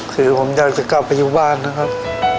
คือผมอยากจะกลับไปอยู่บ้านนะครับ